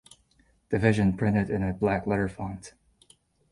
Division printed in a blackletter font.